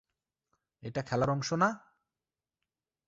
এটা খেলার অংশ না!